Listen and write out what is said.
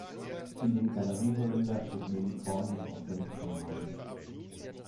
In dem Galerieholländer wird neben Korn jetzt auch Senf gemahlen.